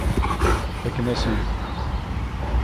Fakken-asen-t.